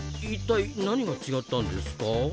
一体何が違ったんですか？